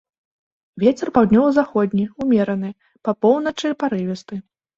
Вецер паўднёва-заходні ўмераны, па поўначы парывісты.